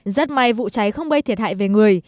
rất may vụ cháy không gây thiệt hại về người